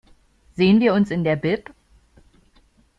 Sehen wir uns in der Bib?